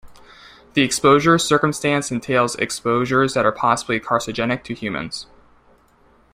The exposure circumstance entails exposures that are possibly carcinogenic to humans.